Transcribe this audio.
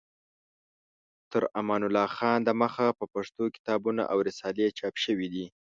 تر امان الله خان د مخه په پښتو کتابونه او رسالې چاپ شوې دي.